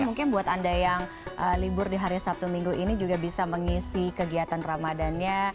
mungkin buat anda yang libur di hari sabtu minggu ini juga bisa mengisi kegiatan ramadannya